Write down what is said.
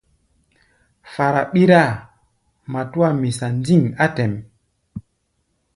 Fara ɓíráa, matúa misa ndîŋ á tɛ̌ʼm.